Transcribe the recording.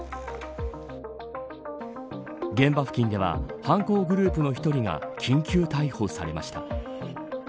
現場付近では犯行グループの１人が緊急逮捕されました。